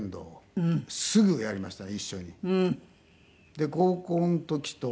で高校の時と高校。